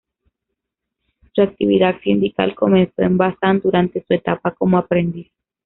Su actividad sindical comenzó en Bazán durante su etapa como aprendiz.